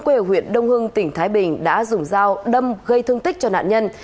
quê ở huyện đông hưng tỉnh thái bình đã dùng dao đâm gây thương tích cho nạn nhân